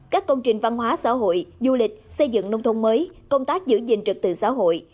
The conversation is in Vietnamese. các công trình văn hóa xã hội du lịch xây dựng nông thôn mới công tác giữ gìn trực tự xã hội